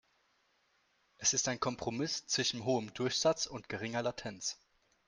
Es ist ein Kompromiss zwischen hohem Durchsatz und geringer Latenz.